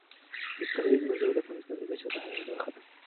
د کلیزو منظره د افغانستان د بشري فرهنګ برخه ده.